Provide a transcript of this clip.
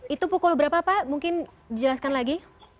itu pukul berapa pak mungkin dijelaskan lagi